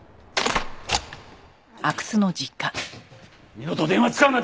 二度と電話を使うな！